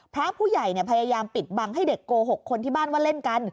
พระผู้ใหญ่พยายามปิดบังให้เด็กโกหกคนที่บ้านว่าเล่นกัน